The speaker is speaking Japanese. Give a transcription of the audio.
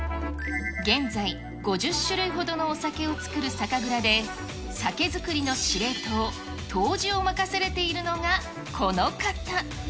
現在、５０種類ほどのお酒を造る酒蔵で、酒造りの司令塔、杜氏を任されているのがこの方。